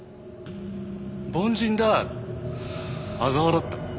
凡人だとあざ笑った。